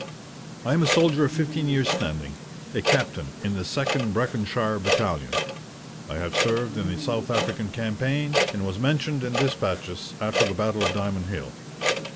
I am a soldier of fifteen years' standing, a captain in the Second Breconshire Battalion. I have served in the South African Campaign and was mentioned in despatches after the battle of Diamond Hill.